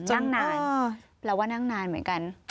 นั่งนานแปลว่านั่งนานเหมือนกัน